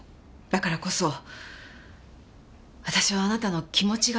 だからこそ私はあなたの気持ちが知りたいの。